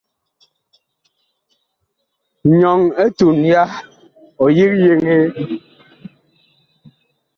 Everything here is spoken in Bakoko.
Nyɔŋ etuŋ ya, ɔ yig yeŋee.